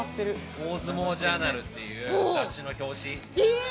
『大相撲ジャーナル』っていう雑誌の表紙。